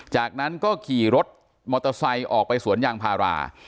จากนั้นก็ขี่รถมอเตอร์ไซค์ออกไปสวนยางพารา